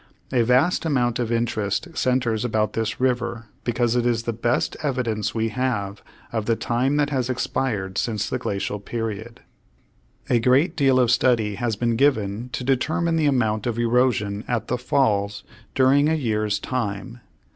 A vast amount of interest centers about this river because it is the best evidence we have of the time that has expired since the glacial period. A great deal of study has been given to determine the amount of erosion at the Falls during a year's time.